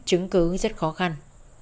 chứng cứ rất khó khăn